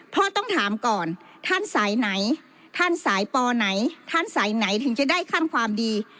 ต้องถามก่อนท่านสายไหนท่านสายปอไหนท่านสายไหนถึงจะได้ขั้นความดี